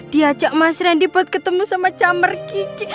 diajak mas randy buat ketemu sama camber kiki